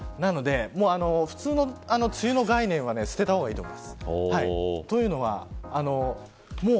普通の梅雨の概念を捨てた方がいいと思います。